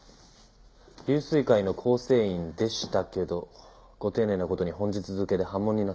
龍翠会の構成員でしたけどご丁寧な事に本日付で破門になってます。